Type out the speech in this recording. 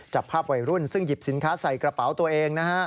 จับภาพวัยรุ่นซึ่งหยิบสินค้าใส่กระเป๋าตัวเองนะฮะ